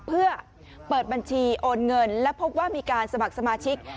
เพื่อเปิดบัญชีโอนเงินและพบว่ามีการสมัครสมาชิก